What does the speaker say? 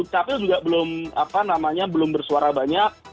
capil juga belum bersuara banyak